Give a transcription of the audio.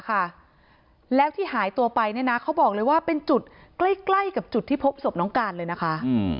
เขาบอกเลยว่าเป็นจุดใกล้กับจุดที่พบสมน้องการเลยนะคะ